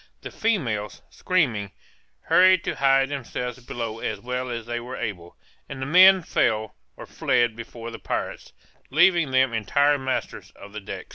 The females, screaming, hurried to hide themselves below as well as they were able, and the men fell or fled before the pirates, leaving them entire masters of the decks.